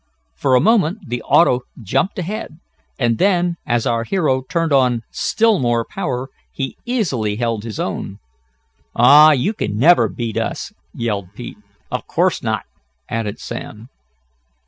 For a moment the auto jumped ahead, and then, as our hero turned on still more power, he easily held his own. "Aw, you can never beat us!" yelled Pete. "Of course not!" added Sam.